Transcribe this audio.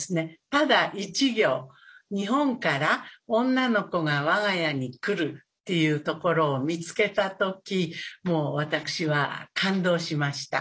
ただ１行「日本から女の子が我が家に来る」っていうところを見つけた時もう私は感動しました。